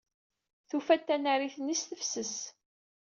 Tufa-d tanarit-nni s tefses.